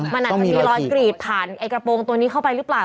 มันอาจจะมีรอยกรีดผ่านไอ้กระโปรงตัวนี้เข้าไปหรือเปล่า